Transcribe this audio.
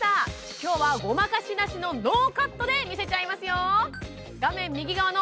今日は、ごまかしなしのノーカットで見せちゃいますよ。